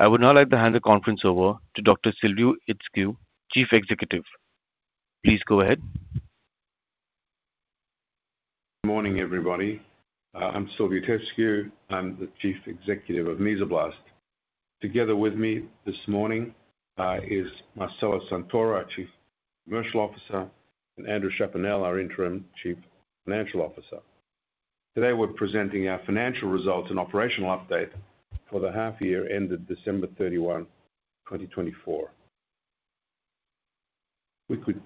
I would now like to hand the conference over to Dr. Silviu Itescu, Chief Executive. Please go ahead. Good morning, everybody. I'm Silviu Itescu. I'm the Chief Executive of Mesoblast. Together with me this morning is Marcelo Santoro, our Chief Commercial Officer, and Andrew Chaponnel, our Interim Chief Financial Officer. Today we're presenting our financial results and operational update for the half-year ended 31 December 2024. We could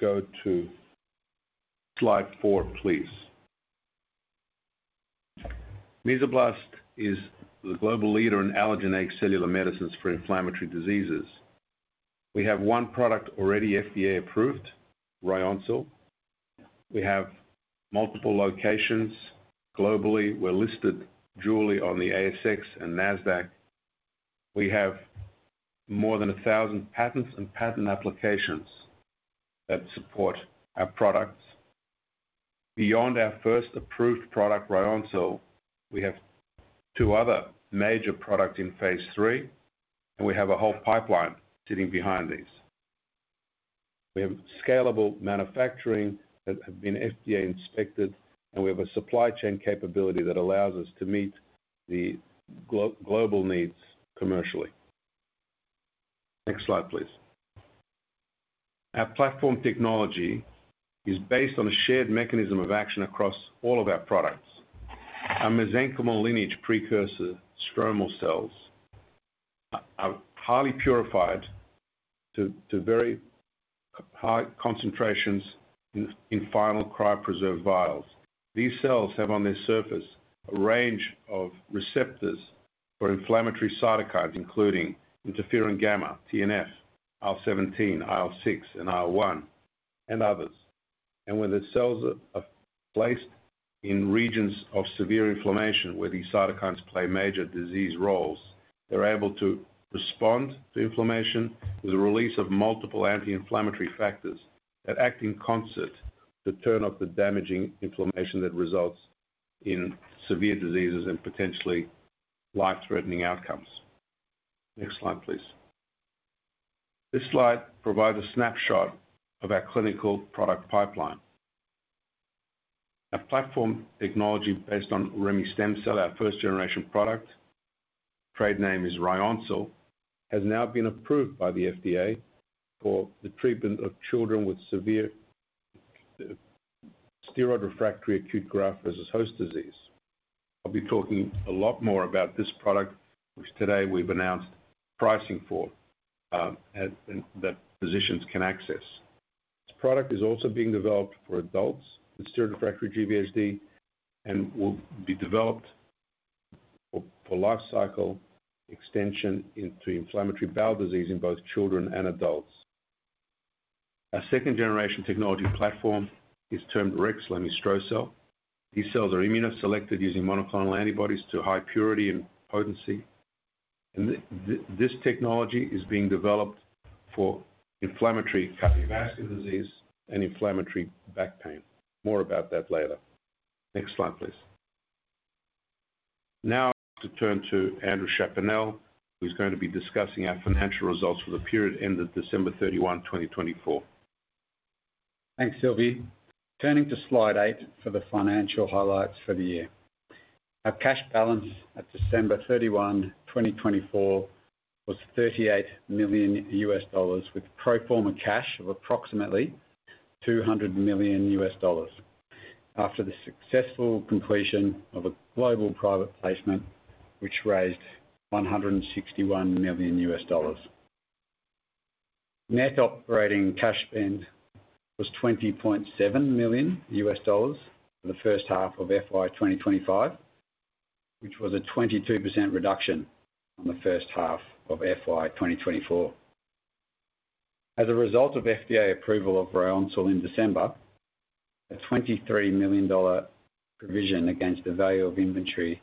go to slide four, please. Mesoblast is the global leader in allogeneic cellular medicines for inflammatory diseases. We have one product already FDA-approved, Ryoncil®. We have multiple locations globally. We're listed dually on the ASX and NASDAQ. We have more than 1,000 patents and patent applications that support our products. Beyond our first approved product, Ryoncil®, we have two other major products in phase III, and we have a whole pipeline sitting behind these. We have scalable manufacturing that have been FDA inspected, and we have a supply chain capability that allows us to meet the global needs commercially. Next slide, please. Our platform technology is based on a shared mechanism of action across all of our products. Our mesenchymal lineage precursor/stromal cells, are highly purified to very high concentrations in final cryopreserved vials. These cells have on their surface a range of receptors for inflammatory cytokines, including interferon gamma, TNF-α, IL-17, IL-6, and IL-1, and others. And when the cells are placed in regions of severe inflammation, where these cytokines play major disease roles, they're able to respond to inflammation with the release of multiple anti-inflammatory factors that act in concert to turn off the damaging inflammation that results in severe diseases and potentially life-threatening outcomes. Next slide, please. This slide provides a snapshot of our clinical product pipeline. Our platform technology based on remestemcel, our first-generation product, trade name is Ryoncil®, has now been approved by the FDA for the treatment of children with severe steroid-refractory acute Graft-versus-Host Disease. I'll be talking a lot more about this product, which today we've announced pricing for that physicians can access. This product is also being developed for adults with steroid-refractory GvHD and will be developed for life cycle extension into inflammatory bowel disease in both children and adults. Our second-generation technology platform is termed Rexlemestrocel-L. These cells are immunoselected using monoclonal antibodies to high purity and potency. And this technology is being developed for inflammatory cardiovascular disease and inflammatory back pain. More about that later. Next slide, please. Now I'd like to turn to Andrew Chaponnel, who's going to be discussing our financial results for the period ended 31 December 2024. Thanks, Silviu. Turning to slide eight for the financial highlights for the year. Our cash balance at 31 December 2024, was $38 million with pro forma cash of approximately $200 million after the successful completion of a global private placement, which raised $161 million. Net operating cash spend was $20.7 million for the first half of FY2025, which was a 22% reduction in the first half of FY2024. As a result of FDA approval of Ryoncil® in December, a $23 million provision against the value of inventory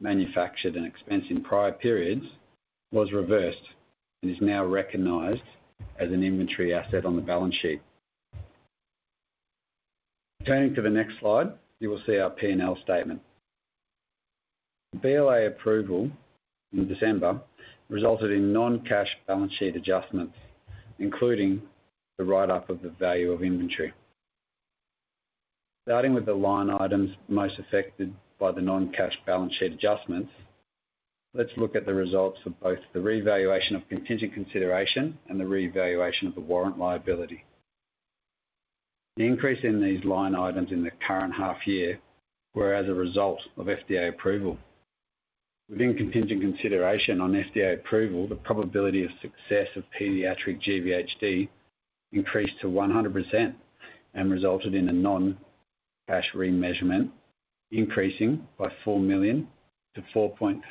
manufactured and expensed in prior periods was reversed and is now recognized as an inventory asset on the balance sheet. Turning to the next slide, you will see our P&L statement. BLA approval in December resulted in non-cash balance sheet adjustments, including the write-up of the value of inventory. Starting with the line items most affected by the non-cash balance sheet adjustments, let's look at the results for both the revaluation of contingent consideration and the revaluation of the warrant liability. The increase in these line items in the current half-year was as a result of FDA approval. Within contingent consideration on FDA approval, the probability of success of pediatric GvHD increased to 100% and resulted in a non-cash remeasurement, increasing by $4 million to 4.3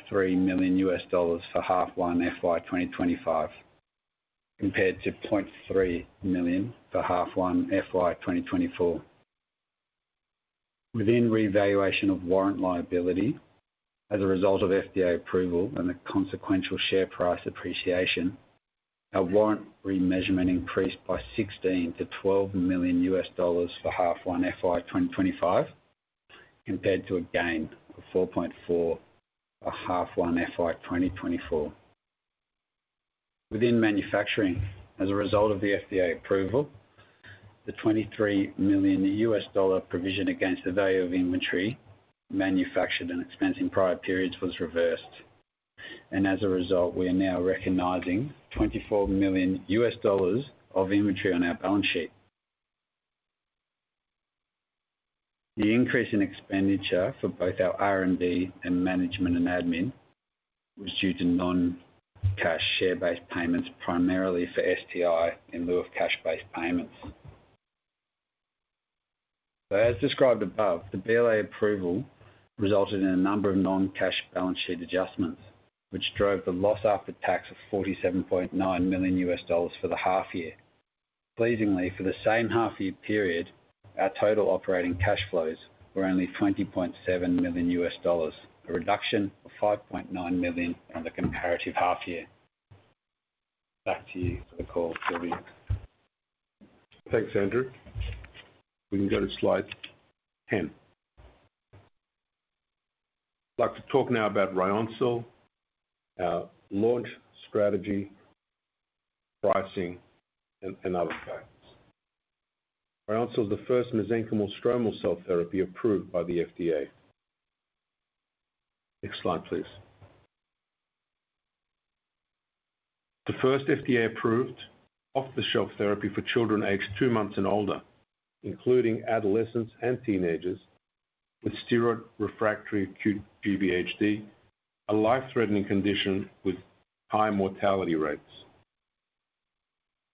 million for H1 FY2025, compared to $0.3 million for H1 FY2024. Within revaluation of warrant liability, as a result of FDA approval and the consequential share price appreciation, our warrant remeasurement increased by $16 million to 12 million for H1 FY2025, compared to a gain of $4.4 million for H1 FY2024. Within manufacturing, as a result of the FDA approval, the $23 million provision against the value of inventory manufactured and expensed in prior periods was reversed. As a result, we are now recognizing $24 million of inventory on our balance sheet. The increase in expenditure for both our R&D and management and admin was due to non-cash share-based payments, primarily for STI in lieu of cash-based payments. As described above, the BLA approval resulted in a number of non-cash balance sheet adjustments, which drove the loss after tax of $47.9 million for the half-year. Pleasingly, for the same half-year period, our total operating cash flows were only $20.7 million, a reduction of $5.9 million on the comparative half-year. Back to you for the call, Silviu. Thanks, Andrew. We can go to slide 10. I'd like to talk now about Ryoncil®, our launch strategy, pricing, and other factors. Ryoncil® is the first mesenchymal stromal cell therapy approved by the FDA. Next slide, please. The first FDA-approved off-the-shelf therapy for children aged two months and older, including adolescents and teenagers with steroid-refractory acute GvHD, a life-threatening condition with high mortality rates.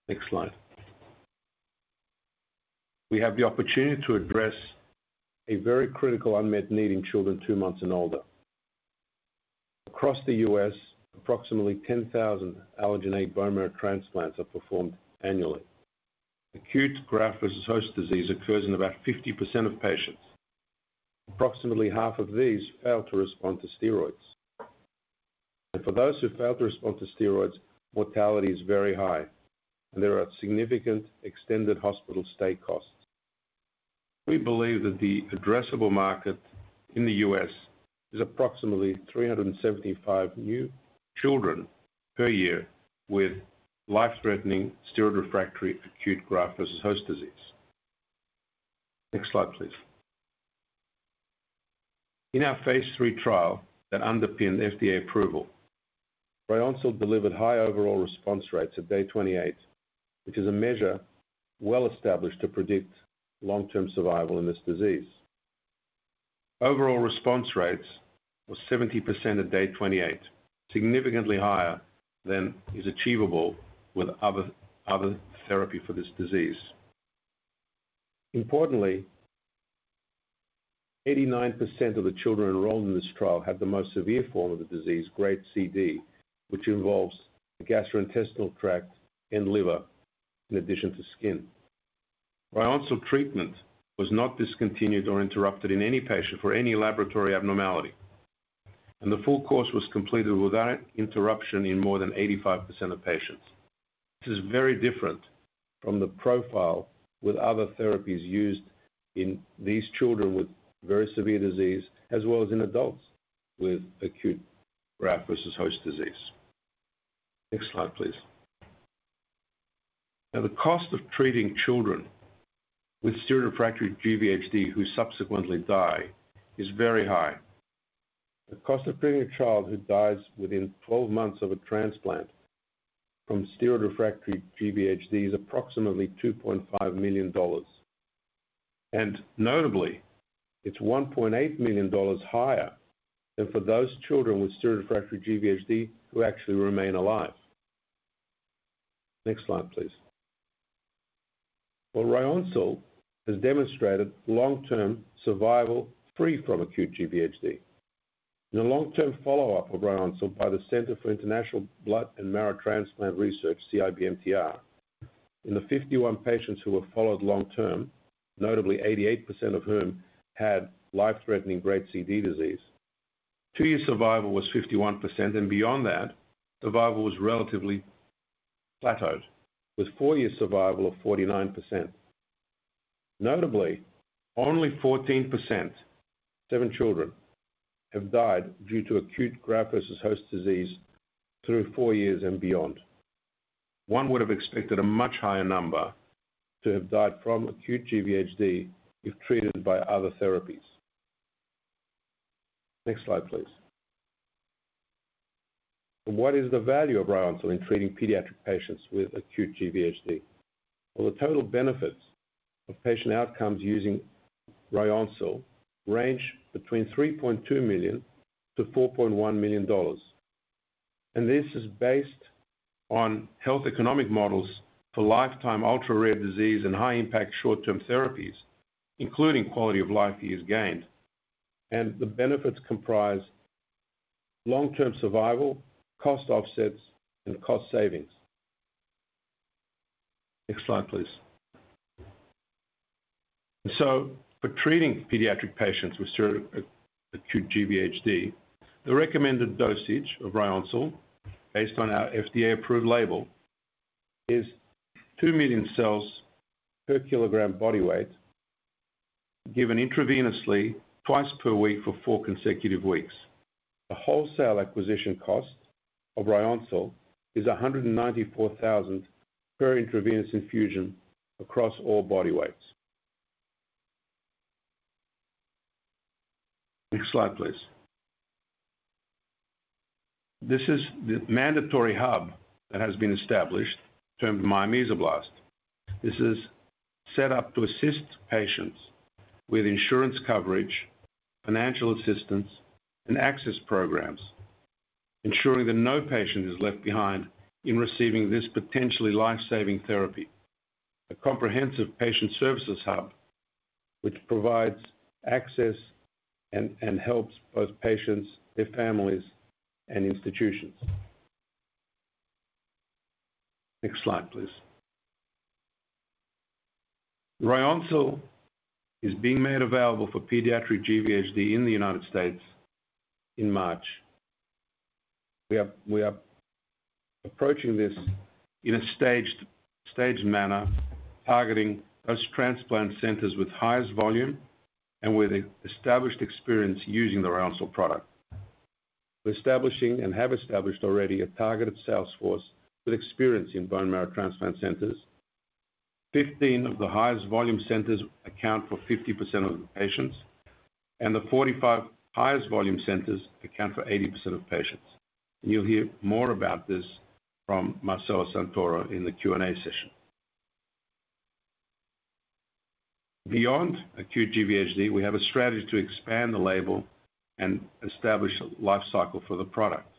Next slide. We have the opportunity to address a very critical unmet need in children two months and older. Across the U.S., approximately 10,000 allogeneic-based bone marrow transplants are performed annually. Acute Graft-versus-Host Disease occurs in about 50% of patients. Approximately half of these fail to respond to steroids, and for those who fail to respond to steroids, mortality is very high, and there are significant extended hospital stay costs. We believe that the addressable market in the U.S. is approximately 375 new children per year with life-threatening steroid-refractory acute Graft-versus-Host-Disease. Next slide, please. In our phase III trial that underpinned FDA approval, Ryoncil® delivered high overall response rates at Day 28, which is a measure well established to predict long-term survival in this disease. Overall response rates were 70% at Day 28, significantly higher than is achievable with other therapy for this disease. Importantly, 89% of the children enrolled in this trial had the most severe form of the disease, Grades C and D, which involves the gastrointestinal tract and liver, in addition to skin. Ryoncil® treatment was not discontinued or interrupted in any patient for any laboratory abnormality, and the full course was completed without interruption in more than 85% of patients. This is very different from the profile with other therapies used in these children with very severe disease, as well as in adults with acute Graft-versus-Host-Disease. Next slide, please. Now, the cost of treating children with steroid-refractory GvHD who subsequently die is very high. The cost of treating a child who dies within 12 months of a transplant from steroid-refractory GvHD is approximately $2.5 million. Notably, it's $1.8 million higher than for those children with steroid-refractory GvHD who actually remain alive. Next slide, please. Ryoncil® has demonstrated long-term survival free from acute GvHD. In a long-term follow-up of Ryoncil® by the Center for International Blood and Marrow Transplant Research (CIBMTR), in the 51 patients who were followed long-term, notably 88% of whom had life-threatening Grade C/D disease, two-year survival was 51%, and beyond that, survival was relatively plateaued, with four-year survival of 49%. Notably, only 14%—seven children—have died due to acute Graft-versus-Host-Disease through four years and beyond. One would have expected a much higher number to have died from acute GvHD if treated by other therapies. Next slide, please. What is the value of Ryoncil® in treating pediatric patients with acute GvHD? Well, the total benefits of patient outcomes using Ryoncil® range between $3.2 million to 4.1 million. And this is based on health economic models for lifetime ultra-rare disease and high-impact short-term therapies, including quality of life years gained. And the benefits comprise long-term survival, cost offsets, and cost savings. Next slide, please. And so, for treating pediatric patients with acute GvHD, the recommended dosage of Ryoncil®, based on our FDA-approved label, is two million cells per kilogram body weight, given intravenously twice per week for four consecutive weeks. The wholesale acquisition cost of Ryoncil® is $194,000 per intravenous infusion across all body weights. Next slide, please. This is the mandatory hub that has been established, termed My Mesoblast. This is set up to assist patients with insurance coverage, financial assistance, and access programs, ensuring that no patient is left behind in receiving this potentially life-saving therapy. A comprehensive patient services hub, which provides access and helps both patients, their families, and institutions. Next slide, please. Ryoncil® is being made available for pediatric GvHD in the United States in March. We are approaching this in a staged manner, targeting those transplant centers with highest volume and with established experience using the Ryoncil® product. We're establishing and have established already a targeted sales force with experience in bone marrow transplant centers. 15 of the highest volume centers account for 50% of the patients, and the 45 highest volume centers account for 80% of patients. And you'll hear more about this from Marcelo Santoro in the Q&A session. Beyond acute GvHD, we have a strategy to expand the label and establish a life cycle for the product.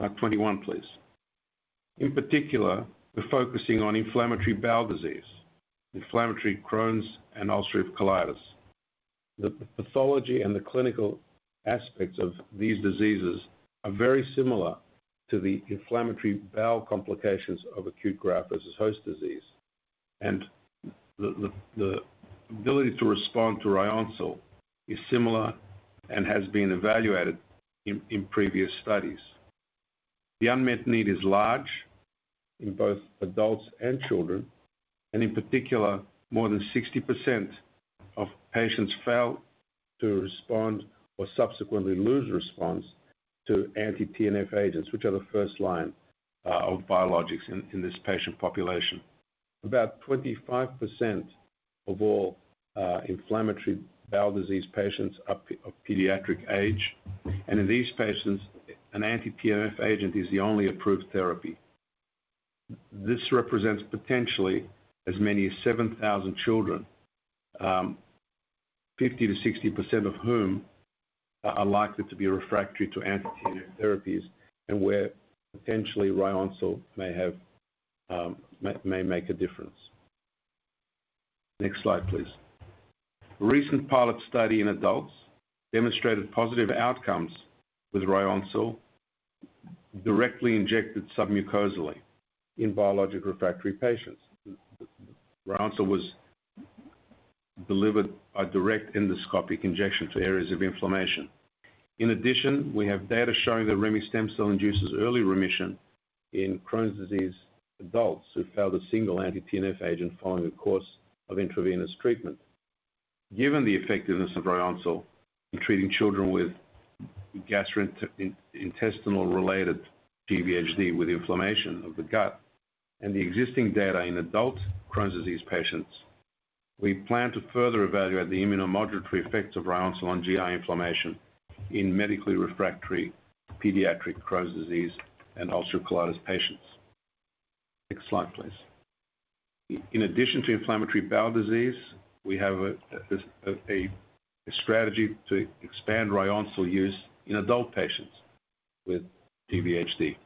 Now, slide 21, please. In particular, we're focusing on inflammatory bowel disease, inflammatory Crohn's and ulcerative colitis. The pathology and the clinical aspects of these diseases are very similar to the inflammatory bowel complications of acute Graft-versus-Host-Disease. And the ability to respond to Ryoncil® is similar and has been evaluated in previous studies. The unmet need is large in both adults and children, and in particular, more than 60% of patients fail to respond or subsequently lose response to anti-TNFα agents, which are the first line of biologics in this patient population. About 25% of all inflammatory bowel disease patients are of pediatric age, and in these patients, an anti-TNFα agent is the only approved therapy. This represents potentially as many as 7,000 children, 50%-60% of whom are likely to be refractory to anti-TNFα therapies, and where potentially Ryoncil® may make a difference. Next slide, please. A recent pilot study in adults demonstrated positive outcomes with Ryoncil® directly injected submucosally in biologically refractory patients. Ryoncil® was delivered by direct endoscopic injection to areas of inflammation. In addition, we have data showing that remestemcel induces early remission in Crohn's disease adults who failed a single anti-TNFα agent following a course of intravenous treatment. Given the effectiveness of Ryoncil® in treating children with gastrointestinal-related GvHD with inflammation of the gut and the existing data in adult Crohn's disease patients, we plan to further evaluate the immunomodulatory effects of Ryoncil® on GI inflammation in medically refractory pediatric Crohn's disease and ulcerative colitis patients. Next slide, please. In addition to inflammatory bowel disease, we have a strategy to expand Ryoncil® use in adult patients with GvHD.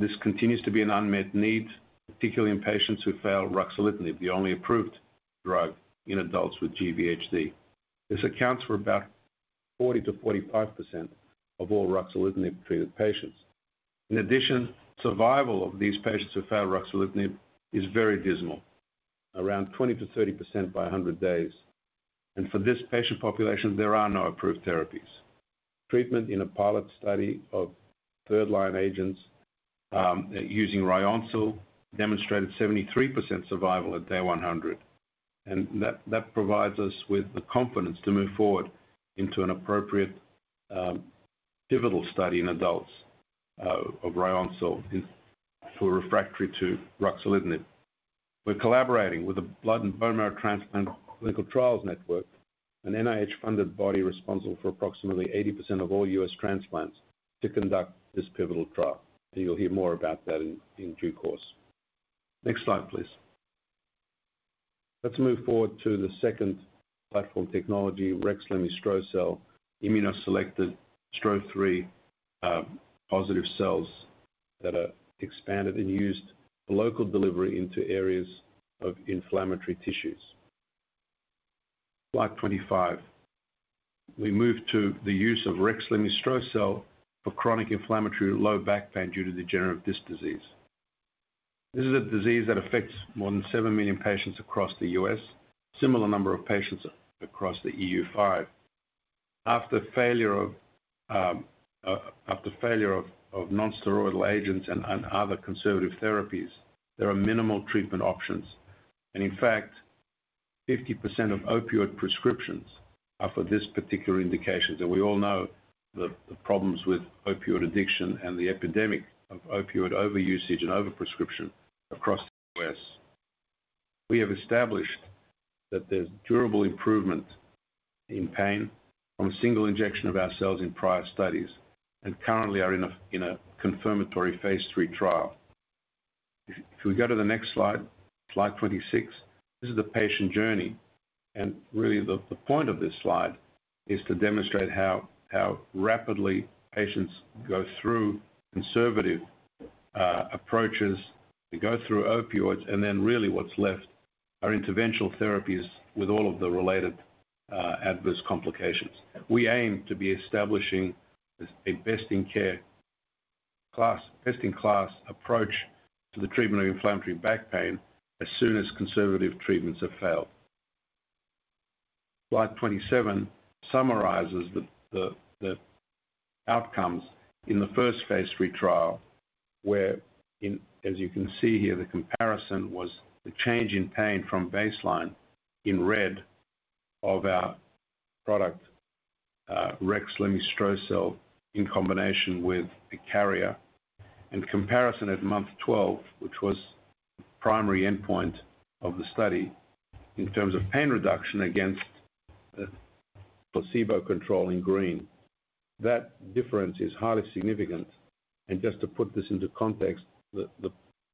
This continues to be an unmet need, particularly in patients who fail ruxolitinib, the only approved drug in adults with GvHD. This accounts for about 40% to 45% of all ruxolitinib-treated patients. In addition, survival of these patients who fail ruxolitinib is very dismal, around 20% to 30% by 100 days, and for this patient population, there are no approved therapies. Treatment in a pilot study of third-line agents using Ryoncil® demonstrated 73% survival at Day 100. That provides us with the confidence to move forward into an appropriate pivotal study in adults of Ryoncil® for refractory to ruxolitinib. We're collaborating with the Blood and Bone Marrow Transplant Clinical Trials Network, an NIH-funded body responsible for approximately 80% of all U.S. transplants, to conduct this pivotal trial. You'll hear more about that in due course. Next slide, please. Let's move forward to the second platform technology, Rexlemestrocel-L, immunoselected STRO-3 positive cells that are expanded and used for local delivery into areas of inflammatory tissues. Slide 25. We move to the use of Rexlemestrocel-L for chronic inflammatory low back pain due to degenerative disc disease. This is a disease that affects more than seven million patients across the U.S., a similar number of patients across the EU5. After failure of nonsteroidal agents and other conservative therapies, there are minimal treatment options. In fact, 50% of opioid prescriptions are for this particular indication. So we all know the problems with opioid addiction and the epidemic of opioid overusage and overprescription across the U.S. We have established that there's durable improvement in pain from a single injection of our cells in prior studies and currently are in a confirmatory phase III trial. If we go to the next slide, slide 26, this is the patient journey. Really, the point of this slide is to demonstrate how rapidly patients go through conservative approaches, they go through opioids, and then really what's left are interventional therapies with all of the related adverse complications. We aim to be establishing a best-in-class approach to the treatment of inflammatory back pain as soon as conservative treatments have failed. Slide 27 summarizes the outcomes in the first phase III trial, where, as you can see here, the comparison was the change in pain from baseline in red of our product, Rexlemestrocel-L, in combination with a carrier, and comparison at month 12, which was the primary endpoint of the study in terms of pain reduction against the placebo control in green. That difference is highly significant, and just to put this into context, the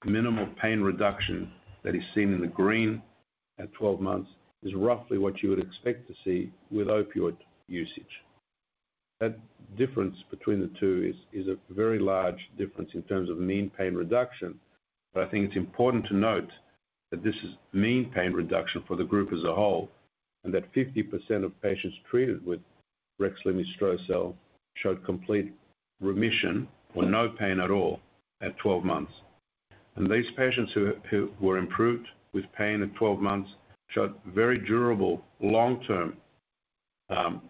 minimal pain reduction that is seen in the green at 12 months is roughly what you would expect to see with opioid usage. That difference between the two is a very large difference in terms of mean pain reduction. I think it's important to note that this is mean pain reduction for the group as a whole, and that 50% of patients treated with Rexlemestrocel-L showed complete remission or no pain at all at 12 months. These patients who were improved with pain at 12 months showed very durable long-term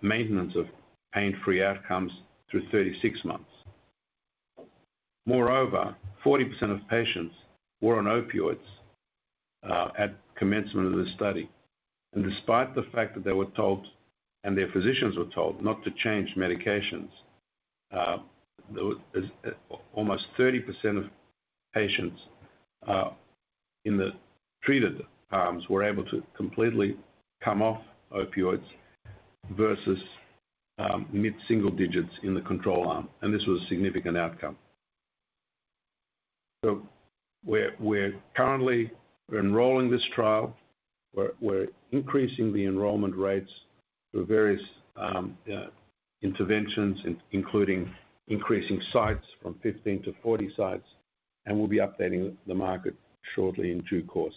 maintenance of pain-free outcomes through 36 months. Moreover, 40% of patients were on opioids at commencement of the study. Despite the fact that they were told, and their physicians were told, not to change medications, almost 30% of patients in the treated arms were able to completely come off opioids versus mid-single digits in the control arm. This was a significant outcome. We are currently enrolling this trial. We are increasing the enrollment rates through various interventions, including increasing sites from 15 to 40 sites. We will be updating the market shortly in due course.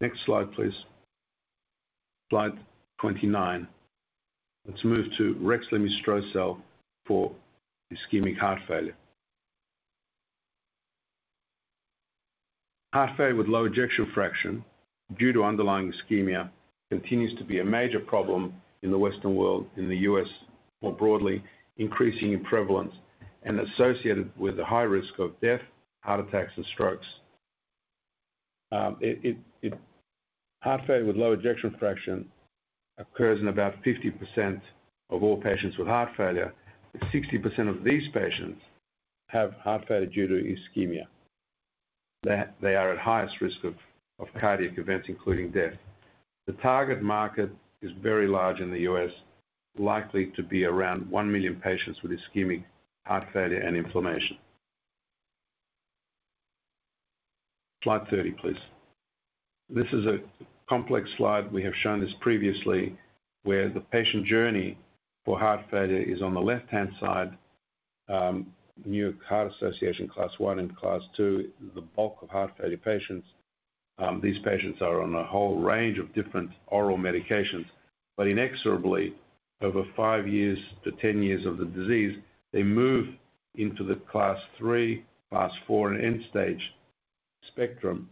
Next slide, please. Slide 29. Let's move to Rexlemestrocel-L for ischemic heart failure. Heart failure with low ejection fraction due to underlying ischemia continues to be a major problem in the Western world, in the U.S. more broadly, increasing in prevalence and associated with a high risk of death, heart attacks, and strokes. Heart failure with low ejection fraction occurs in about 50% of all patients with heart failure. 60% of these patients have heart failure due to ischemia. They are at highest risk of cardiac events, including death. The target market is very large in the U.S., likely to be around 1 million patients with ischemic heart failure and inflammation. Slide 30, please. This is a complex slide. We have shown this previously, where the patient journey for heart failure is on the left-hand side, New York Heart Association Class I and Class II, the bulk of heart failure patients. These patients are on a whole range of different oral medications. But inexorably, over five years to 10 years of the disease, they move into the Class III, Class IV, and end-stage spectrum.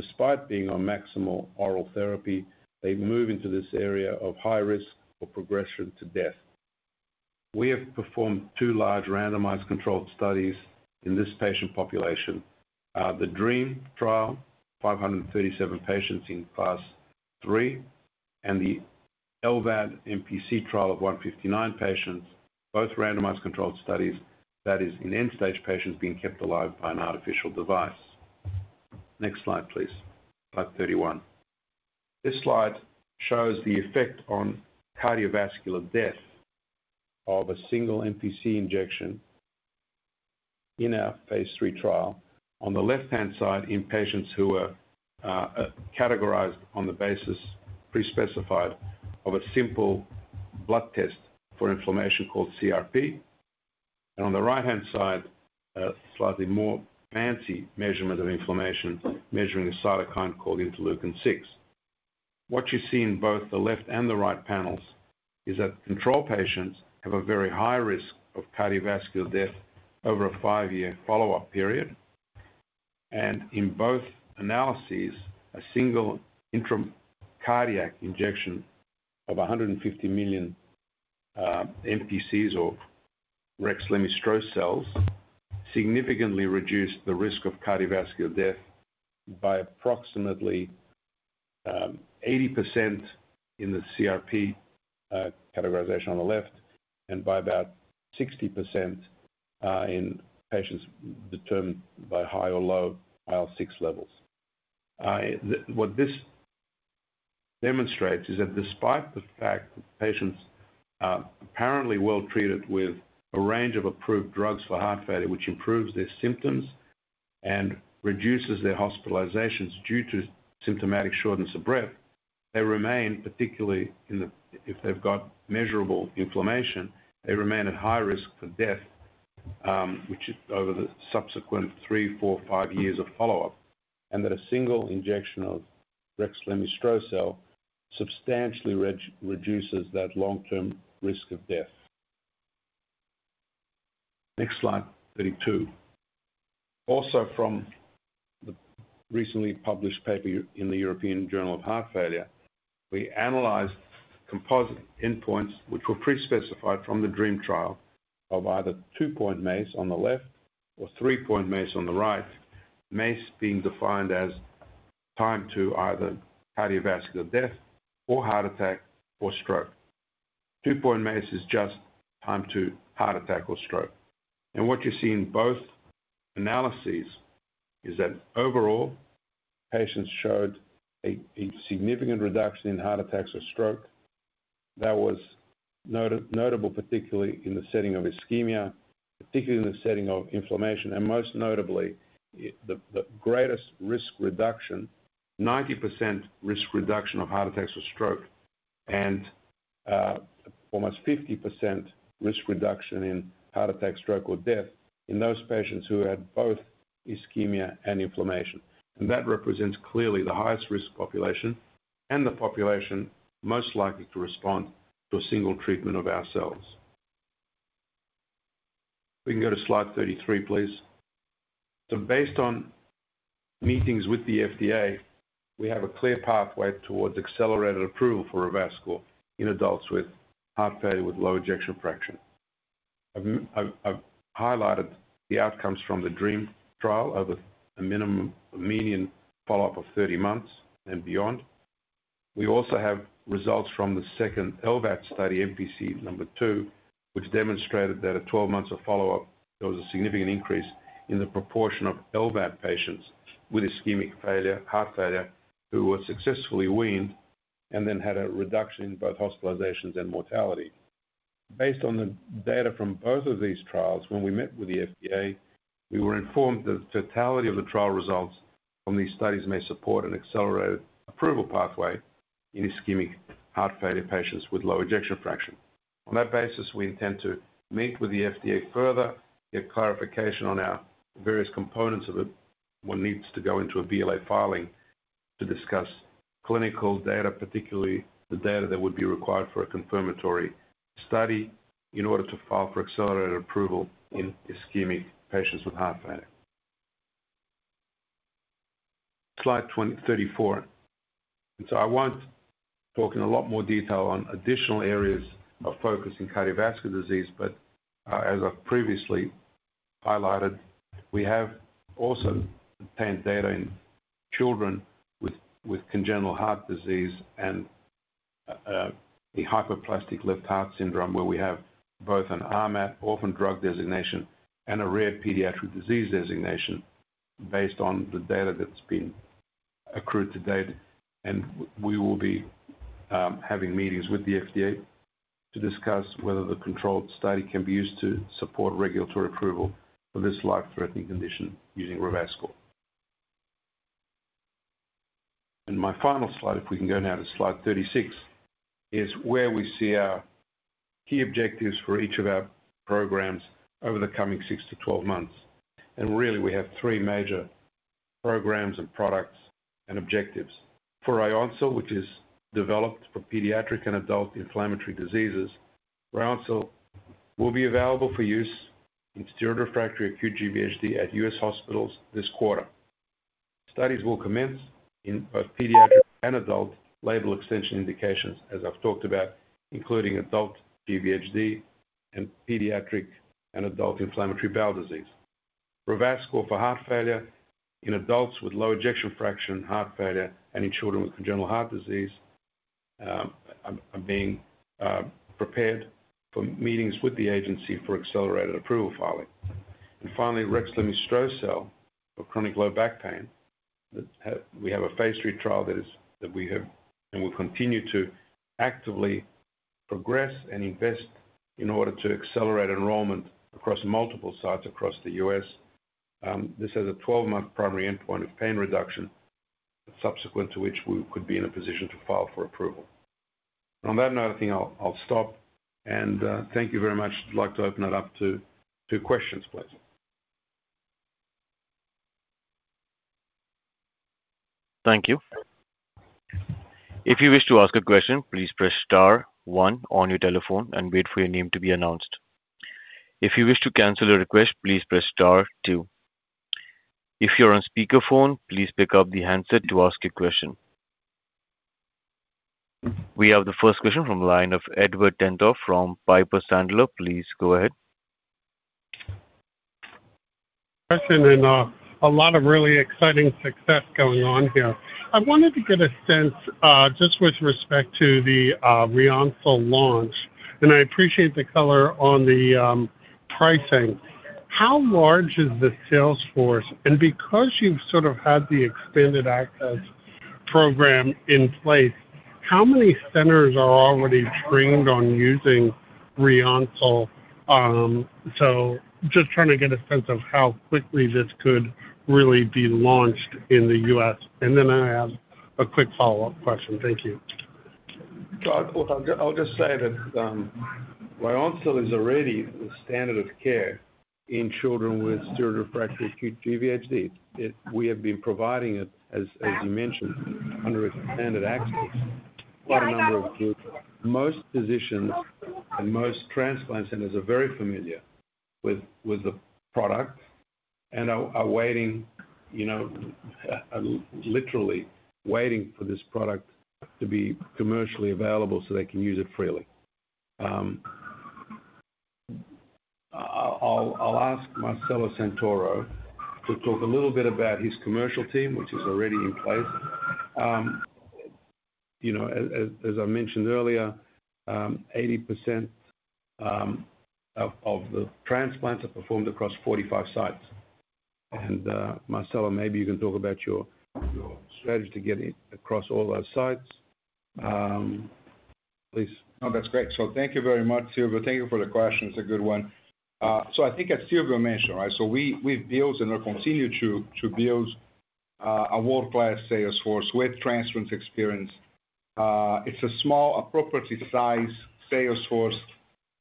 Despite being on maximal oral therapy, they move into this area of high risk for progression to death. We have performed two large randomized controlled studies in this patient population. The DREAM HF trial, 537 patients in Class III, and the LVAD MPC trial of 159 patients, both randomized controlled studies, that is, in end-stage patients being kept alive by an artificial device. Next slide, please. Slide 31. This slide shows the effect on cardiovascular death of a single MPC injection in our phase III trial. On the left-hand side, in patients who are categorized on the basis pre-specified of a simple blood test for inflammation called CRP. And on the right-hand side, a slightly more fancy measurement of inflammation measuring a cytokine called Interleukin-6. What you see in both the left and the right panels is that control patients have a very high risk of cardiovascular death over a five-year follow-up period. And in both analyses, a single intracardiac injection of 150 million MPCs or Rexlemestrocel-L significantly reduced the risk of cardiovascular death by approximately 80% in the CRP categorization on the left and by about 60% in patients determined by high or low IL-6 levels. What this demonstrates is that despite the fact that patients apparently well treated with a range of approved drugs for heart failure, which improves their symptoms and reduces their hospitalizations due to symptomatic shortness of breath, they remain, particularly if they've got measurable inflammation, they remain at high risk for death, which is over the subsequent three, four, five years of follow-up. A single injection of Rexlemestrocel-L substantially reduces that long-term risk of death. Next slide, 32. Also, from the recently published paper in the European Journal of Heart Failure, we analyzed composite endpoints, which were pre-specified from the DREAM-HF Trial of either two-point MACE on the left or three-point MACE on the right. MACE being defined as time to either cardiovascular death or heart attack or stroke. Two-point MACE is just time to heart attack or stroke. What you see in both analyses is that overall, patients showed a significant reduction in heart attacks or stroke. That was notable, particularly in the setting of ischemia, particularly in the setting of inflammation. Most notably, the greatest risk reduction, 90% risk reduction of heart attacks or stroke, and almost 50% risk reduction in heart attack, stroke, or death in those patients who had both ischemia and inflammation. That represents clearly the highest risk population and the population most likely to respond to a single treatment of our cells. We can go to slide 33, please. Based on meetings with the FDA, we have a clear pathway towards accelerated approval for REVASCOR® in adults with heart failure with low ejection fraction. I've highlighted the outcomes from the DREAM-HF Trial over a median follow-up of 30 months and beyond. We also have results from the second LVAD study, MPC number two, which demonstrated that at 12 months of follow-up, there was a significant increase in the proportion of LVAD patients with ischemic heart failure who were successfully weaned and then had a reduction in both hospitalizations and mortality. Based on the data from both of these trials, when we met with the FDA, we were informed that the totality of the trial results from these studies may support an accelerated approval pathway in ischemic heart failure patients with low ejection fraction. On that basis, we intend to meet with the FDA further, get clarification on our various components of it, what needs to go into a BLA filing to discuss clinical data, particularly the data that would be required for a confirmatory study in order to file for accelerated approval in ischemic patients with heart failure. Slide 34. I won't talk in a lot more detail on additional areas of focus in cardiovascular disease. As I've previously highlighted, we have also obtained data in children with congenital heart disease and a hypoplastic left heart syndrome, where we have both an RMAT, orphan drug designation, and a rare pediatric disease designation based on the data that's been accrued to date. We will be having meetings with the FDA to discuss whether the controlled study can be used to support regulatory approval for this life-threatening condition using REVASCOR®. My final slide, if we can go now to slide 36, is where we see our key objectives for each of our programs over the coming six to 12 months. Really, we have three major programs and products and objectives. For Ryoncil®, which is developed for pediatric and adult inflammatory diseases, Ryoncil® will be available for use in steroid-refractory acute GvHD at U.S. hospitals this quarter. Studies will commence in both pediatric and adult label extension indications, as I've talked about, including adult GvHD and pediatric and adult inflammatory bowel disease. REVASCOR® for heart failure in adults with low ejection fraction heart failure and in children with congenital heart disease. It is being prepared for meetings with the agency for accelerated approval filing. And finally, Rexlemestrocel-L for chronic low back pain. We have a phase III trial. And we'll continue to actively progress and invest in order to accelerate enrollment across multiple sites across the U.S. This has a 12-month primary endpoint of pain reduction, subsequent to which we could be in a position to file for approval. On that note, I think I'll stop. Thank you very much. I'd like to open it up to questions, please. Thank you. If you wish to ask a question, please press star one on your telephone and wait for your name to be announced. If you wish to cancel a request, please press star two. If you're on speakerphone, please pick up the handset to ask a question. We have the first question from the line of Edward Tenthoff from Piper Sandler. Please go ahead. Question and a lot of really exciting success going on here. I wanted to get a sense just with respect to the Ryoncil® launch. I appreciate the color on the pricing. How large is the sales force? Because you've sort of had the extended access program in place, how many centers are already trained on using Ryoncil®? Just trying to get a sense of how quickly this could really be launched in the US. And then I have a quick follow-up question. Thank you. I'll just say that Ryoncil® is already the standard of care in children with steroid-refractory acute GvHD. We have been providing it, as you mentioned, under extended access. Quite a number of groups. Most physicians and most transplant centers are very familiar with the product and are waiting, literally waiting for this product to be commercially available so they can use it freely. I'll ask Marcelo Santoro to talk a little bit about his commercial team, which is already in place. As I mentioned earlier, 80% of the transplants are performed across 45 sites. And Marcelo, maybe you can talk about your strategy to get it across all those sites. Please. No, that's great. So thank you very much, Silviu. Thank you for the question. It's a good one, so I think Silviu mentioned, right? So, we've built and will continue to build a world-class sales force with transplants experience. It's a small, appropriately sized sales force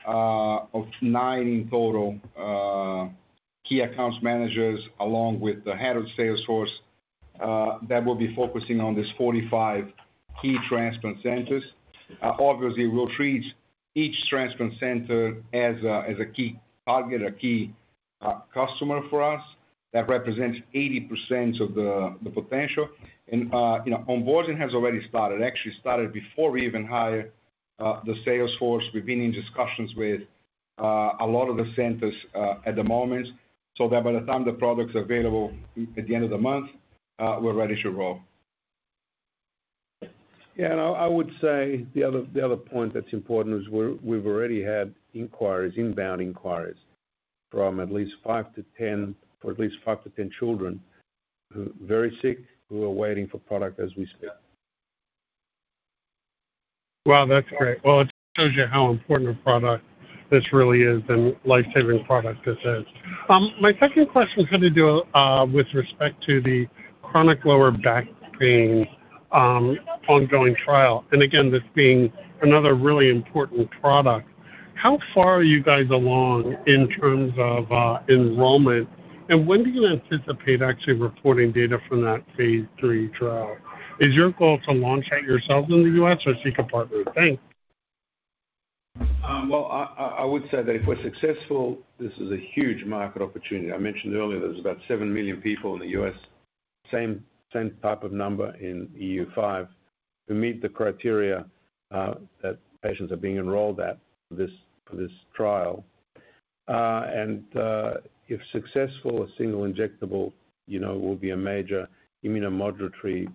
of nine in total, key accounts managers along with the head of sales force that will be focusing on these 45 key transplant centers. Obviously, we'll treat each transplant center as a key target, a key customer for us that represents 80% of the potential, and onboarding has already started. Actually, it started before we even hired the sales force. We've been in discussions with a lot of the centers at the moment, so that by the time the product is available at the end of the month, we're ready to roll. Yeah. I would say the other point that's important is we've already had inquiries, inbound inquiries from at least five to 10, for at least five to 10 children who are very sick, who are waiting for product as we speak. Wow, that's great. Well, it just shows you how important a product this really is and lifesaving product this is. My second question had to do with respect to the chronic lower back pain ongoing trial. And again, this being another really important product. How far are you guys along in terms of enrollment? And when do you anticipate actually reporting data from that phase III trial? Is your goal to launch that yourselves in the U.S. or seek a partner? Thanks. Well, I would say that if we're successful, this is a huge market opportunity. I mentioned earlier there's about seven million people in the U.S., same type of number in EU5 who meet the criteria that patients are being enrolled at for this trial, and if successful, a single injectable will be a major immunomodulatory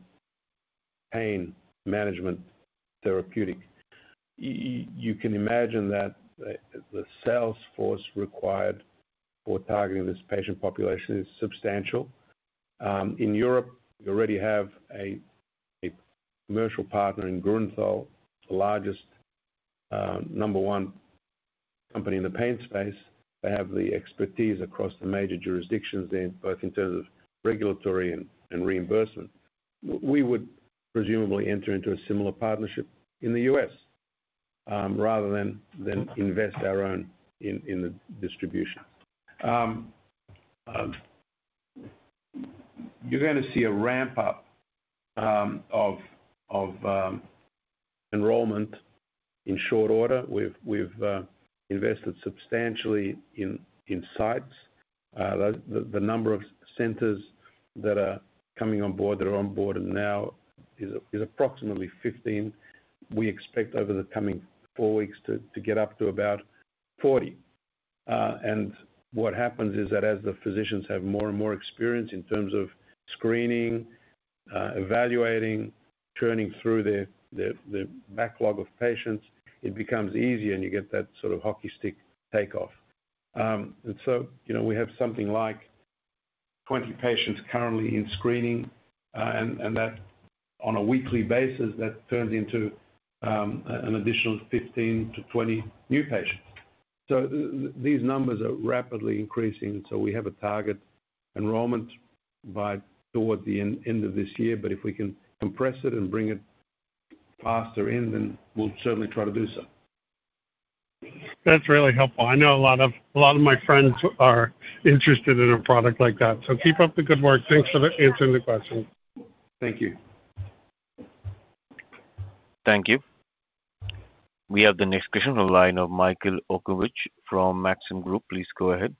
pain management therapeutic. You can imagine that the sales force required for targeting this patient population is substantial. In Europe, we already have a commercial partner in Grünenthal, the largest number one company in the pain space. They have the expertise across the major jurisdictions there, both in terms of regulatory and reimbursement. We would presumably enter into a similar partnership in the U.S. rather than invest our own in the distribution. You're going to see a ramp-up of enrollment in short order. We've invested substantially in sites. The number of centers that are coming on board, that are on board now, is approximately 15. We expect over the coming four weeks to get up to about 40. And what happens is that as the physicians have more and more experience in terms of screening, evaluating, turning through the backlog of patients, it becomes easier and you get that sort of hockey stick takeoff. And so, we have something like 20 patients currently in screening. And on a weekly basis, that turns into an additional 15 to 20 new patients. So, these numbers are rapidly increasing. And so we have a target enrollment by toward the end of this year. But if we can compress it and bring it faster in, then we'll certainly try to do so. That's really helpful. I know a lot of my friends are interested in a product like that. So keep up the good work. Thanks for answering the question. Thank you. Thank you. We have the next question on the line of Michael Okunewitch from Maxim Group. Please go ahead.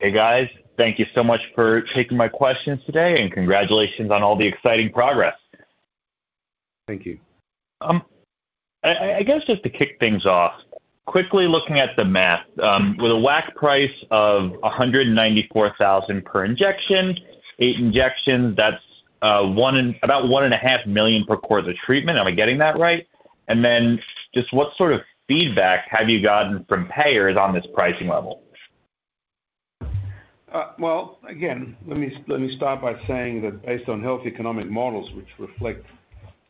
Hey, guys. Thank you so much for taking my questions today and congratulations on all the exciting progress. Thank you. I guess just to kick things off, quickly looking at the math, with a WAC price of $194,000 per injection, eight injections, that's about $1.5 million per quarter treatment. Am I getting that right? And then just what sort of feedback have you gotten from payers on this pricing level? Well, again, let me start by saying that based on health economic models, which reflect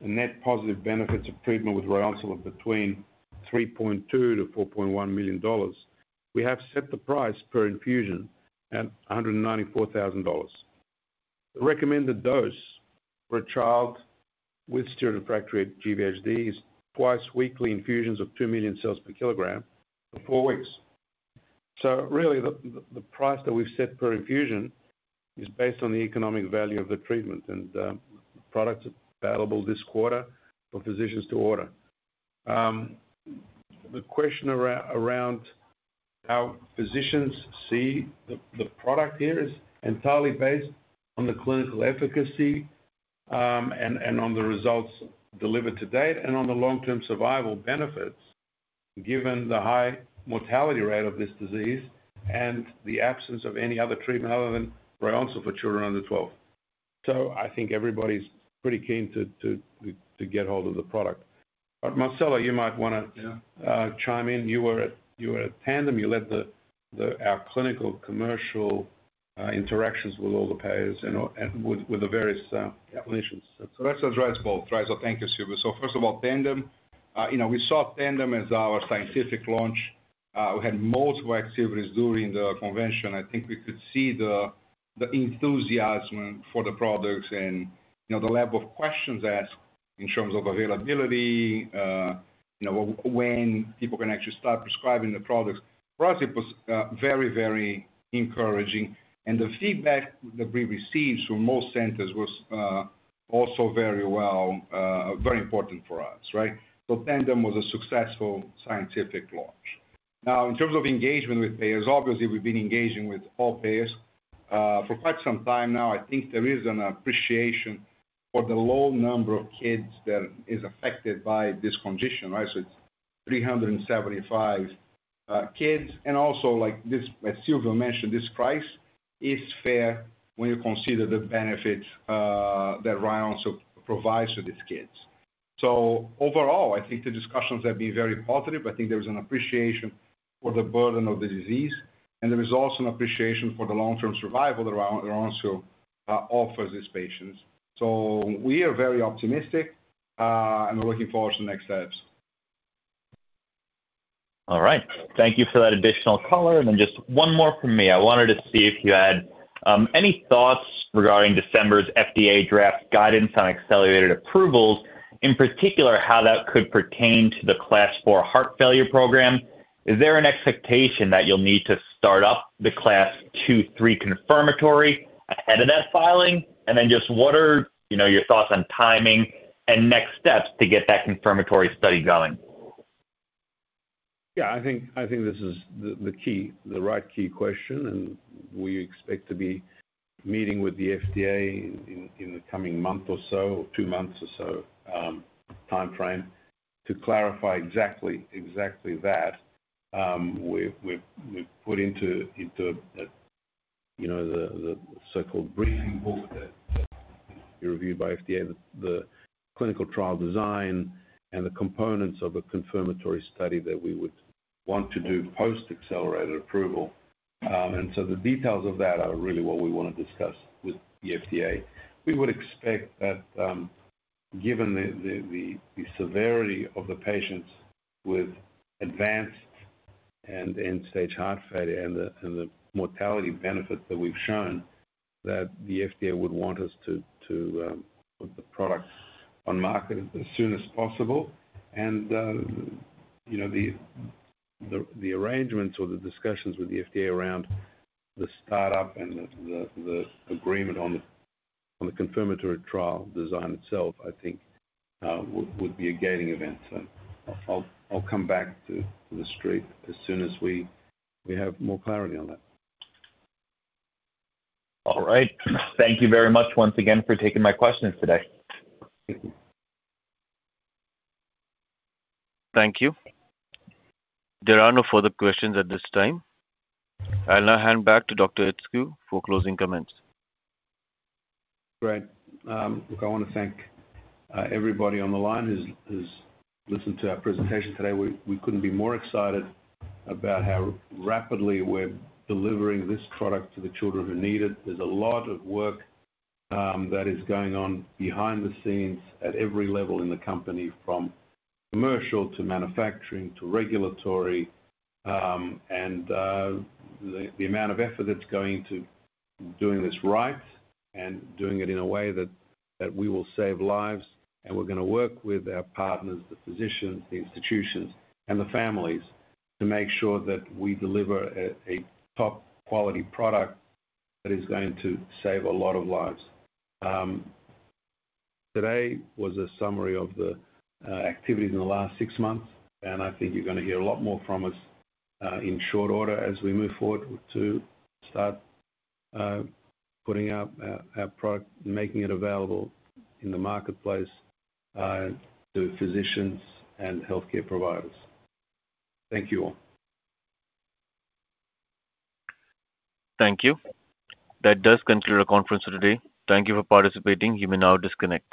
the net positive benefits of treatment with Ryoncil® between $3.2 million to $4.1 million, we have set the price per infusion at $194,000. The recommended dose for a child with steroid-refractory GvHD is twice weekly infusions of two million cells per kilogram for four weeks. So really, the price that we've set per infusion is based on the economic value of the treatment and the products available this quarter for physicians to order. The question around how physicians see the product here is entirely based on the clinical efficacy and on the results delivered to date and on the long-term survival benefits given the high mortality rate of this disease and the absence of any other treatment other than Ryoncil® for children under 12. So I think everybody's pretty keen to get hold of the product. But Marcelo, you might want to chime in. You were at Tandem. You led our clinical commercial interactions with all the payers and with the various clinicians. So that's a wrap, folks. Thanks, Silviu. So first of all, Tandem, we saw Tandem as our scientific launch. We had multiple activities during the convention. I think we could see the enthusiasm for the products and the level of questions asked in terms of availability, when people can actually start prescribing the products. For us, it was very, very encouraging. And the feedback that we received from most centers was also very well, very important for us, right? So, Tandem was a successful scientific launch. Now, in terms of engagement with payers, obviously, we've been engaging with all payers for quite some time now. I think there is an appreciation for the low number of kids that is affected by this condition, right? So, it's 375 kids. And also, like Silviu mentioned, this price is fair when you consider the benefits that Ryoncil® provides for these kids. So overall, I think the discussions have been very positive. I think there was an appreciation for the burden of the disease, and there is also an appreciation for the long-term survival that Ryoncil® offers these patients. So we are very optimistic and we're looking forward to the next steps. All right. Thank you for that additional color, and then just one more from me. I wanted to see if you had any thoughts regarding December's FDA draft guidance on accelerated approvals, in particular how that could pertain to the Class IV heart failure program. Is there an expectation that you'll need to start up the Class II, Class III confirmatory ahead of that filing? And then just what are your thoughts on timing and next steps to get that confirmatory study going? Yeah. I think this is the key, the right key question. And we expect to be meeting with the FDA in the coming month or so, two months or so timeframe to clarify exactly that. We've put into the so-called briefing book that is reviewed by FDA, the clinical trial design and the components of a confirmatory study that we would want to do post-accelerated approval. And so the details of that are really what we want to discuss with the FDA. We would expect that given the severity of the patients with advanced and end-stage heart failure and the mortality benefits that we've shown, that the FDA would want us to put the product on market as soon as possible. And the arrangements or the discussions with the FDA around the startup and the agreement on the confirmatory trial design itself, I think would be a gating event. So I'll come back to the street as soon as we have more clarity on that. All right. Thank you very much once again for taking my questions today. Thank you. Thank you. There are no further questions at this time. I'll now hand back to Dr. Itescu for closing comments. Great. Look, I want to thank everybody on the line who's listened to our presentation today. We couldn't be more excited about how rapidly we're delivering this product to the children who need it. There's a lot of work that is going on behind the scenes at every level in the company, from commercial to manufacturing to regulatory. And the amount of effort that's going into doing this right and doing it in a way that we will save lives. And we're going to work with our partners, the physicians, the institutions, and the families to make sure that we deliver a top-quality product that is going to save a lot of lives. Today was a summary of the activities in the last six months. And I think you're going to hear a lot more from us in short order as we move forward to start putting out our product and making it available in the marketplace to physicians and healthcare providers. Thank you all. Thank you. That does conclude our conference for today. Thank you for participating. You may now disconnect.